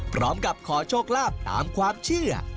พร้อมกับขอโชคลาภตามความเชื่อ